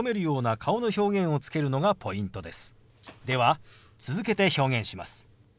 では続けて表現します。